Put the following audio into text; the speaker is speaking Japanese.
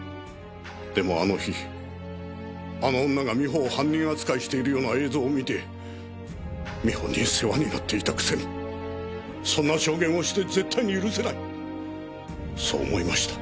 でもあの日あの女が美穂を犯人扱いしているような映像を見て美穂に世話になっていたくせにそんな証言をして絶対に許せないそう思いました。